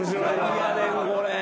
何やねんこれ。